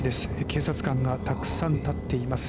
警察官がたくさん立っています。